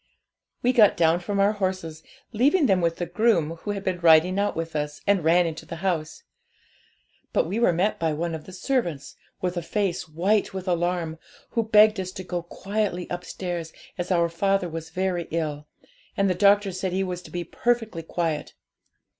'We got down from our horses, leaving them with the groom who had been riding out with us, and ran into the house. But we were met by one of the servants, with a face white with alarm, who begged us to go quietly upstairs, as our father was very ill, and the doctor said he was to be perfectly quiet.